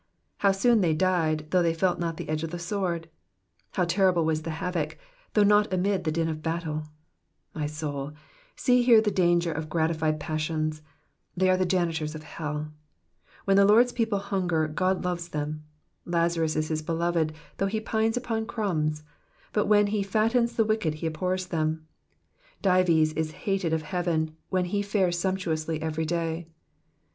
How soon they died, though they felt not the edge of the sword ! How terrible was the havoc, though not amid the din of buttle ! My soul, see here the danger of gratified passions ; they are the janitors of hell. When the Lord's people hunger God loves them ; Lnzarus is his beloved, though he pines upon crumbs ; but when he fattens the wicked he abhors them ; Dives is hated of heaven when he fares sumptuously every day.